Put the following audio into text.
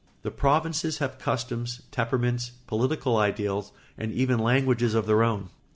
The provinces have customs, temperaments, political ideals, and even languages of their own.